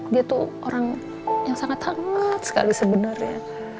dia tuh orang yang sangat hangat sekali sebenarnya